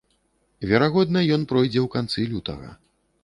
Верагодна, ён пройдзе ў канцы лютага.